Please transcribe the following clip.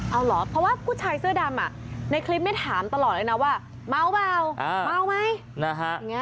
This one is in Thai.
เอาเหรอเพราะว่าผู้ชายเสื้อดำในคลิปนี้ถามตลอดเลยนะว่าเมาเปล่าเมาไหมนะฮะ